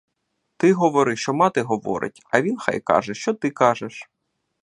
Ти говори, що мати говорить, а він хай каже, що ти кажеш.